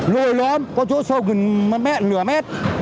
lồi lóm có chỗ sâu gần mát mẹt nửa mét